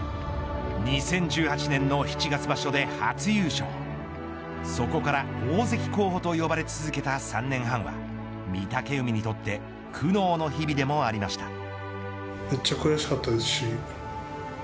２０１８年の７月場所で初優勝そこから大関候補と呼ばれ続けた３年半は御嶽海にとって苦難の日々でもありました。